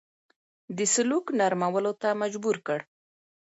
د سلوک نرمولو ته مجبور کړ.